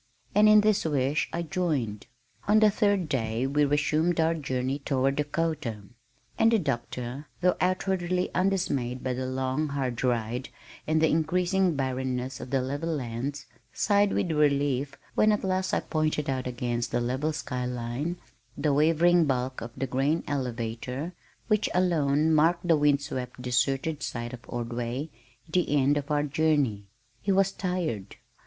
And in this wish I joined. On the third day we resumed our journey toward Dakota, and the Doctor, though outwardly undismayed by the long hard ride and the increasing barrenness of the level lands, sighed with relief when at last I pointed out against the level sky line the wavering bulk of the grain elevator which alone marked the wind swept deserted site of Ordway, the end of our journey. He was tired.